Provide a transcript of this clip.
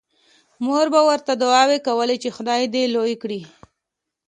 مور به ورته دعاوې کولې چې خدای دې لوی کړي